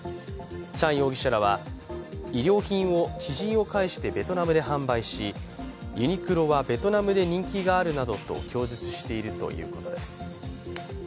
チャン容疑者らは、衣料品を知人を介してベトナムで販売しユニクロはベトナムで人気があるなどと供述しているということです。